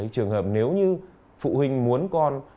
trường hợp nếu như phụ huynh muốn con